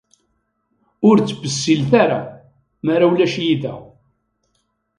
Ur ttbessilet ara mara ulac-iyi da.